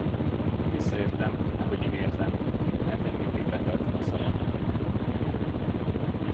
Visszajöttem, ahogy ígértem, mert én mindig betartom a szavamat.